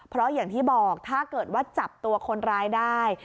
เพราะอย่างที่บอกถ้าเกิดว่าจับตัวคนร้ายได้